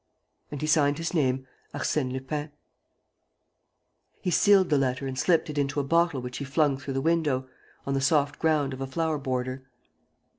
And he signed his name: "ARSÈNE LUPIN." He sealed the letter and slipped it into a bottle which he flung through the window, on the soft ground of a flower border.